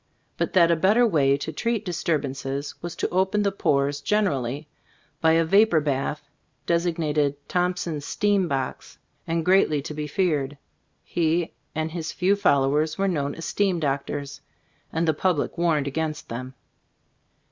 But that a better way to treat disturbances was to open the pores generally, by a vapor bath— designated "Thompson's Steam Box," and greatly to be feared. He and his few followers were known as "Steam Doctors" — and the public warned against them.